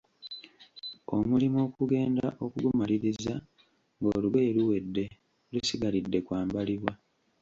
Omulimu okugenda okugumaliriza, ng'olugoye luwedde, lusigalidde kwambalibwa.